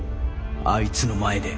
あいつの前で。